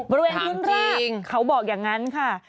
อื้อหือถามจริงบริเวณพื้นรากเขาบอกอย่างนั้นค่ะ